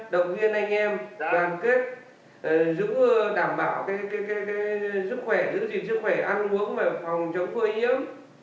động viên anh em đoàn kết giữ đảm bảo giữ gìn sức khỏe ăn uống và phòng chống khơi yếu